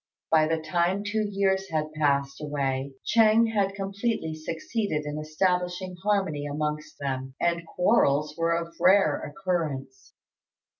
By the time two years had passed away Ch'êng had completely succeeded in establishing harmony amongst them, and quarrels were of rare occurrence.